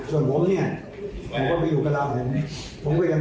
ส่วนผมเนี่ยผมก็ไปอยู่กระล่าวแห่งนี้ผมก็ยังไม่ทราบ